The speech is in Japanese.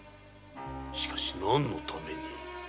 しかし何のために？